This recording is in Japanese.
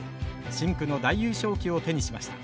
深紅の大優勝旗を手にしました。